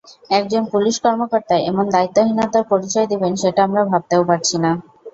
একজন পুলিশ কর্মকর্তা এমন দায়িত্বহীনতার পরিচয় দেবেন, সেটা আমরা ভাবতেও পারছি না।